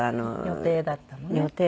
予定だったのね。